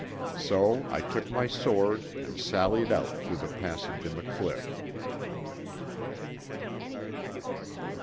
So I took my sword and sallied out through the passage in the cliff.